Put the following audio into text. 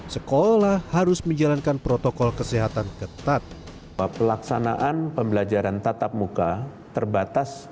sekolah harus menjalankan protokol kesehatan ketat bahwa pelaksanaan pembelajaran tatap muka terbatas